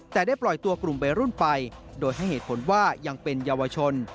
แต่ได้ปล่อยตัวกลุ่มวัยรุ่นไปโดยให้เหตุผลว่ายังเป็นเยาวชน